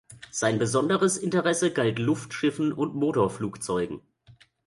Sein besonderes Interesse galt Luftschiffen und Motorflugzeugen.